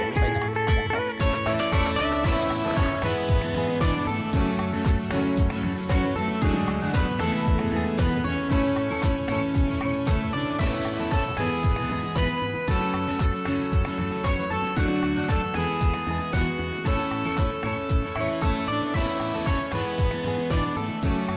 สวัสดีครับพี่สิทธิ์มหันฯสวัสดีครับ